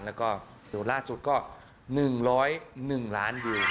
แล้วก็ดูล่าสุดก็๑๐๑ล้านวิว